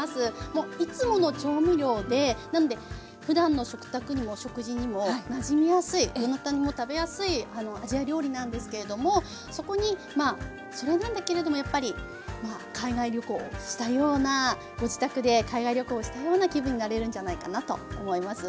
もういつもの調味料でふだんの食卓にも食事にもなじみやすいどなたにも食べやすいあのアジア料理なんですけれどもそこにそれなんだけれどもやっぱりまあ海外旅行したようなご自宅で海外旅行したような気分になれるんじゃないかなと思います。